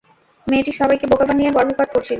মেয়েটি সবাইকে বোকা বানিয়ে গর্ভপাত করছিল।